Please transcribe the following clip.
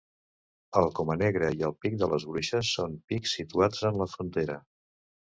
El Comanegra i el Pic de les Bruixes són pics situats en la frontera.